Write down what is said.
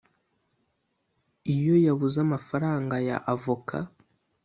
iyo yabuze amafaranga ya Avoka